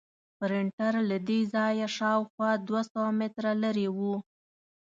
پرنټر له دې ځایه شاوخوا دوه سوه متره لرې و.